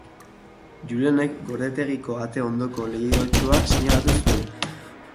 Julenek gordetegiko ate ondoko leihotxoa seinalatu zuen.